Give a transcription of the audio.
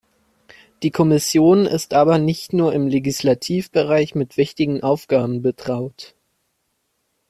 Die Kommission ist aber nicht nur im Legislativbereich mit wichtigen Aufgaben betraut.